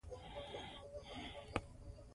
واک د خلکو د رضایت لپاره دی.